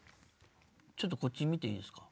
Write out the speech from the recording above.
ちょっとこっち見ていいですか。